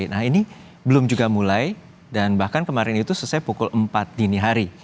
nah ini belum juga mulai dan bahkan kemarin itu selesai pukul empat dini hari